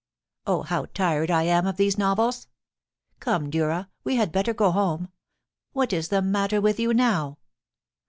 Oh, how tired I am of these novels ! Come, Durra, we had better go home. What is the matter with you now